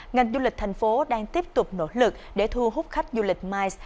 ngành du lịch thành phố đang tiếp tục nỗ lực để thu hút khách du lịch mice